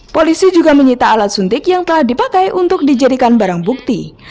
polisi juga menyita alat suntik yang telah dipakai untuk dijadikan barang bukti